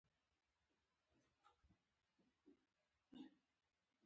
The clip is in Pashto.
بېنډۍ د ماشومانو لپاره مناسبه ده